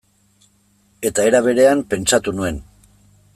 Eta era berean, pentsatu nuen.